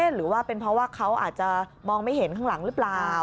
หรือว่าเป็นเพราะว่าเขาอาจจะมองไม่เห็นข้างหลังหรือเปล่า